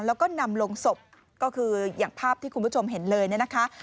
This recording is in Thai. แล้วก็นำลงศพก็คืออย่างภาพที่คุณผู้ชมเห็นเลยเนี่ยนะคะ